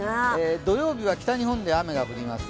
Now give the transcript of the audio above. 土曜日は北日本で雨が降ります。